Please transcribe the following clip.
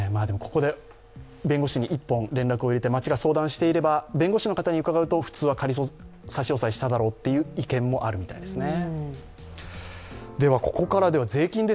ここで弁護士に１本連絡を入れて相談しておけば弁護士の方に伺うと、普通は仮差し押さえしただろうという意見もあるみたいですね。